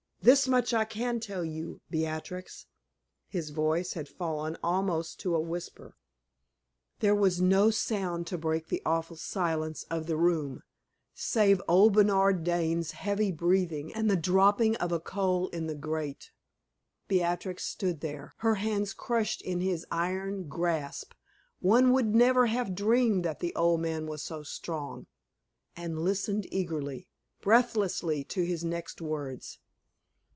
"This much I can tell you, Beatrix" his voice had fallen almost to a whisper. There was no sound to break the awful silence of the room, save old Bernard Dane's heavy breathing and the dropping of a coal in the grate. Beatrix stood there, her hands crushed in his iron grasp one would never have dreamed that the old man was so strong and listened eagerly, breathlessly, to his next words.